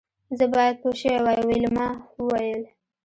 زه باید پوه شوې وای ویلما وویل